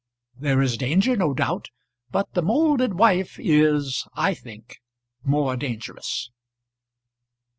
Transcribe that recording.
There is danger, no doubt; but the moulded wife is, I think, more dangerous.